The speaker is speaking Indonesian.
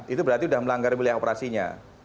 itu berarti sudah melanggar wilayah operasinya